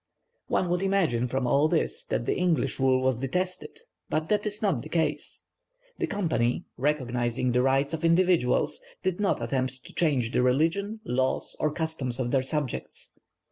One would imagine from all this that the English rule was detested; but that is not the case. The Company, recognizing the rights of individuals, did not attempt to change the religion, laws, or customs of their subjects.